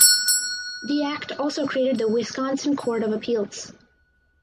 The act also created the Wisconsin Court of Appeals.